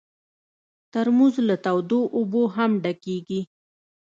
ترموز له تودو اوبو هم ډکېږي.